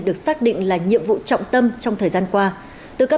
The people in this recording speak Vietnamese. được xác định là nhiệm vụ trọng tâm trong thời gian qua